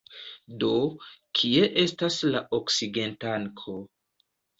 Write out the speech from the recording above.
Do, kie estas la oksigentanko?